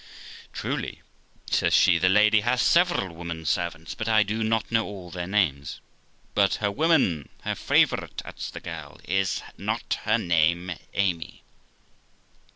'Truly', says she, 'the Lady has several women servants, but I do not know all their names.' ' But her woman, her favourite ' adds the girl ; 'is not her name Amy?'